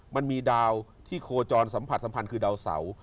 มันมีดาวที่โคจรสัมผัสสัมพันธ์คือดาวเสา